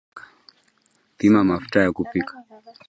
Pima mafuta ya kupikia